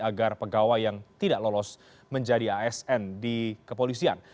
agar pegawai yang tidak lolos menjadi asn di kepolisian